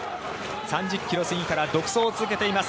３０ｋｍ過ぎから独走を続けています。